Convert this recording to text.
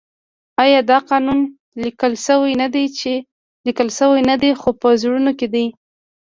آیا دا قانون لیکل شوی نه دی خو په زړونو کې دی؟